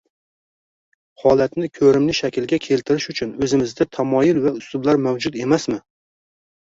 Holatni ko‘rimli shaklga keltirish uchun o‘zimizda tamoyil va uslublar mavjud emasmi?